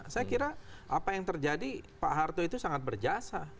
saya kira apa yang terjadi pak harto itu sangat berjasa